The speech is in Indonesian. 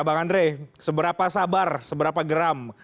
bang andre seberapa sabar seberapa geram